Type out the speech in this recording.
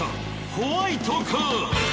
ホワイトか？